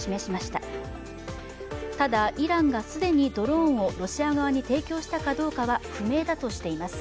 ただイランが既にドローンをロシア側に提供したかどうかは不明だとしています。